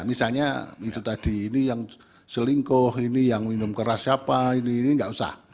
misalnya itu tadi ini yang selingkuh ini yang minum keras siapa ini ini nggak usah